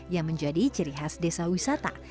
yang menjadi ciri khas desa wisata